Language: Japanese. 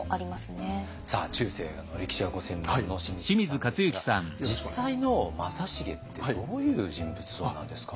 さあ中世の歴史がご専門の清水さんですが実際の正成ってどういう人物像なんですか？